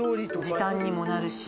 時短にもなるし。